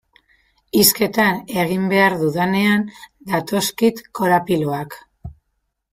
Hizketan egin behar dudanean datozkit korapiloak.